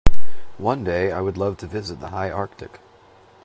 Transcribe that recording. One day, I would love to visit the high Arctic.